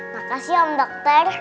makasih om dokter